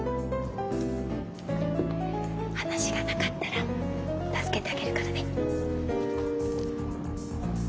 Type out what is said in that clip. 話がなかったら助けてあげるからね。